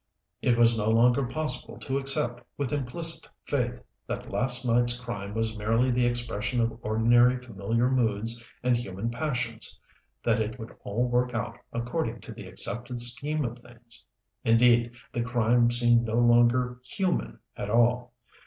It was no longer possible to accept, with implicit faith, that last night's crime was merely the expression of ordinary, familiar moods and human passions, that it would all work out according to the accepted scheme of things. Indeed the crime seemed no longer human at all.